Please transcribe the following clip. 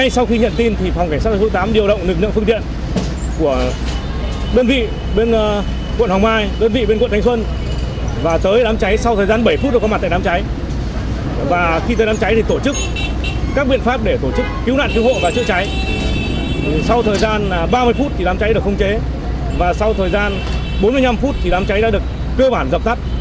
sau thời gian ba mươi phút thì đám cháy được khung chế và sau thời gian bốn mươi năm phút thì đám cháy đã được cơ bản dập tắt